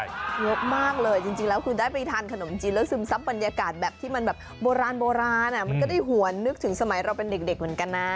เยอะมากเลยจริงแล้วคือได้ไปทานขนมจีนแล้วซึมซับบรรยากาศแบบที่มันแบบโบราณโบราณมันก็ได้หวนนึกถึงสมัยเราเป็นเด็กเหมือนกันนะ